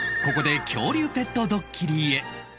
ここで恐竜ペットドッキリへ